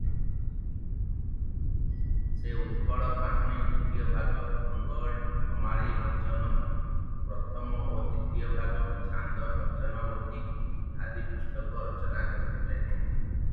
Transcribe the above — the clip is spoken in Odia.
"ସେ "ଉତ୍କଳ କାହାଣୀ ଦ୍ୱିତୀୟ ଭାଗ", "ଢଗ ଢମାଳୀ ବଚନ" ପ୍ରଥମ ଓ ଦ୍ୱିତୀୟ ଭାଗ, "ଛାନ୍ଦ କଞ୍ଚନବତୀ" ଆଦି ପୁସ୍ତକ ରଚନା କରିଥିଲେ ।"